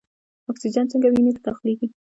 اکسیجن څنګه وینې ته داخلیږي؟